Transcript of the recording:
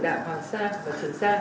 đã xâm phạm nghiêm trọng